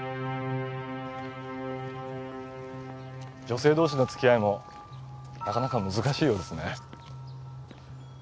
女性同士の付き合いもなかなか難しいようですね。